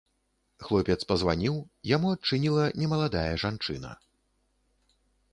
Хлопец пазваніў, яму адчыніла немаладая жанчына.